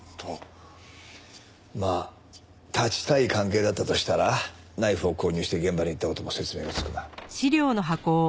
まあ断ちたい関係だったとしたらナイフを購入して現場に行った事も説明がつくな。